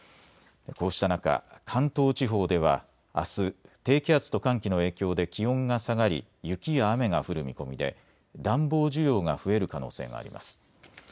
こうした中関東地方ではあす低気圧と寒気の影響で気温が下がり雪や雨が降る見込みで暖房需要が増える可能性もあります。